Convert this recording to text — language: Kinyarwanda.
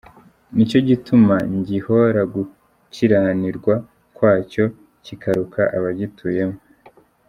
Ni cyo gituma ngihora gukiranirwa kwacyo, kikaruka abagituyemo.